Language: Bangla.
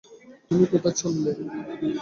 তুমি কোথায় চললে?